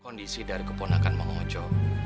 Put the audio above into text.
kondisi dari keponakan mang ojo